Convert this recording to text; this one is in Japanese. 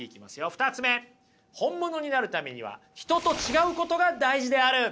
２つ目本物になるためには人と違うことが大事である。